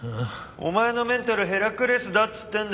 お前のメンタルヘラクレスだっつってんだ。